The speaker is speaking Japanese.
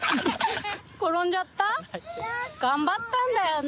転んじゃった？頑張ったんだよね。